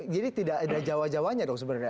jadi tidak ada jawa jawanya dong sebenarnya